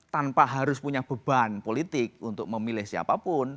tanpa harus punya beban politik untuk memilih siapapun